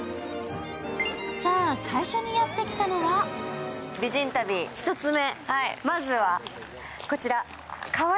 さあ、最初にやってきたのは美人旅、１つ目。